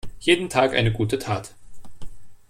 Jeden Tag eine gute Tat.